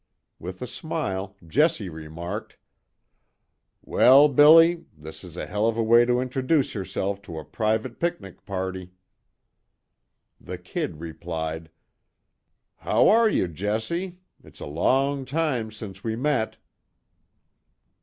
With a smile, Jesse remarked: "Well, Billy, this is a h l of a way to introduce yourself to a private picnic party." The "Kid" replied: "How are you, Jesse? It's a long time since we met."